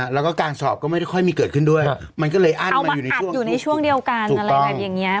แล้วก็การสอบก็ไม่ได้ค่อยมีเกิดขึ้นด้วยมันก็เลยอั้นเอามาอัดอยู่ในช่วงเดียวกันอะไรแบบอย่างเงี้ย